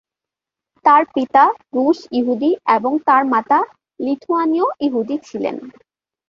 তার পিতা রুশ ইহুদি এবং তার মাতা লিথুয়ানীয় ইহুদি ছিলেন।